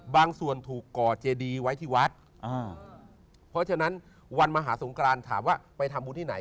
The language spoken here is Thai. ถูกก่อเจดีไว้ที่วัดอ่าเพราะฉะนั้นวันมหาสงครานถามว่าไปทำบุญที่ไหน